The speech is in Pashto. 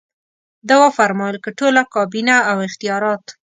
ده وفرمایل که ټوله کابینه او اختیارات.